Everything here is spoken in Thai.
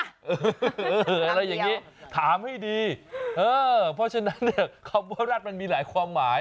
อะไรอย่างนี้ถามให้ดีเออเพราะฉะนั้นเนี่ยคำว่าแร็ดมันมีหลายความหมาย